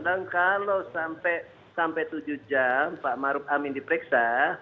dan kalau sampai tujuh jam pak ma'ruf amin diperiksa